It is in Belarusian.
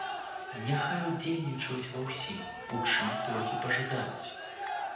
Няхай удзельнічаюць ва ўсім, у чым толькі пажадаюць.